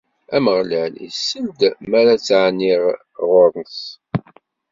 Ameɣlal isell-d mi ara ttɛenniɣ ɣur-s.